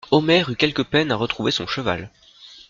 Omer eut quelque peine à retrouver son cheval.